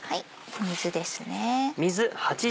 水ですね。